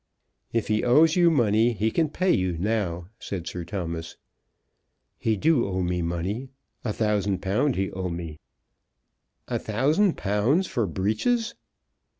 "If he owes you money, he can pay you now," said Sir Thomas. "He do owe me money; a thousand pound he owe me." "A thousand pounds for breeches!"